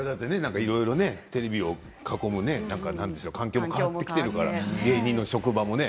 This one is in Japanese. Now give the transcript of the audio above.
テレビを囲む環境も変わってきているから芸人の職場もね。